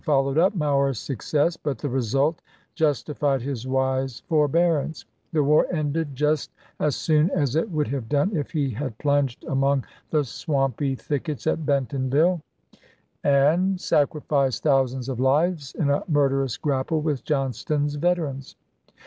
ao*." followed up Mower's success ; but the result justi fied his wise forbearance. The war ended just as soon as it would have done if he had plunged among the swampy thickets at Bentonville, and 236 ABRAHAM LINCOLN JOHNSTON'S SURKENDEH 237 sacrificed thousands of lives in a murderous grapple chap, xil with Johnston's veterans.